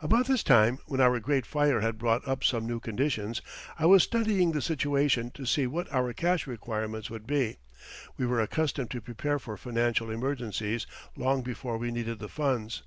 About this time, when our great fire had brought up some new conditions, I was studying the situation to see what our cash requirements would be. We were accustomed to prepare for financial emergencies long before we needed the funds.